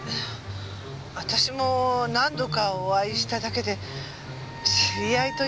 私も何度かお会いしただけで知り合いと呼べるかどうかも。